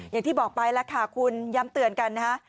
อย่างที่บอกไปแล้วค่ะคุณย้ำเตือนกันนะฮะ